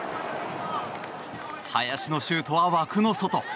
林のシュートは枠の外。